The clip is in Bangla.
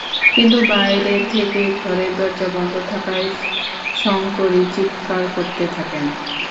কিন্তু বাইরে থেকে ঘরের দরজা বন্ধ থাকায় শঙ্করী চিৎকার করতে থাকেন।